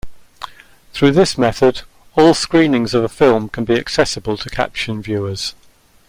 Through this method, all screenings of a film can be accessible to caption viewers.